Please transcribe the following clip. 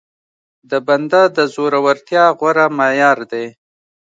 د بنده د زورورتيا غوره معيار دی.